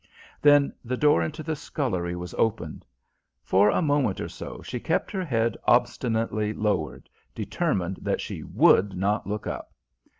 Then the door into the scullery was opened. For a moment or so she kept her head obstinately lowered, determined that she would not look up.